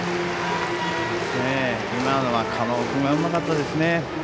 今のは狩野君がうまかったですね。